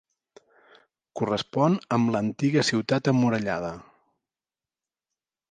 Correspon amb l'antiga ciutat emmurallada.